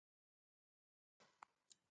A què és vinculat?